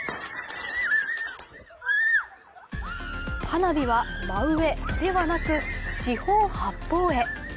花火は真上ではなく四方八方へ。